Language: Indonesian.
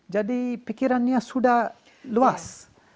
jadi pikirannya sudah luas